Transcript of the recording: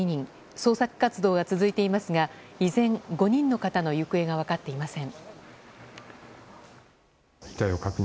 捜索活動が続いていますが以前、５人の方の行方が分かっていません。